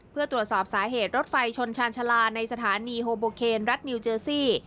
เพื่อตรวจสอบสาเหตุรถไฟชนชาญชาลาในสถานีโฮโบเคนรัฐนิวเจอร์ซี่